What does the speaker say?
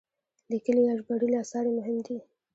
لیکلي یا ژباړلي اثار یې مهم دي.